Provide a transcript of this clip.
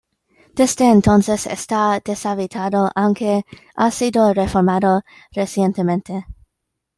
Desde entonces está deshabitado, aunque ha sido reformado recientemente.